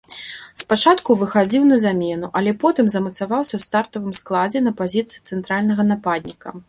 Спачатку выхадзіў на замену, але потым замацаваўся ў стартавым складзе на пазіцыі цэнтральнага нападніка.